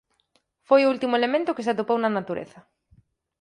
Foi o último elemento que se atopou na natureza.